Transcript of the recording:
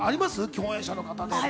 共演者の方に。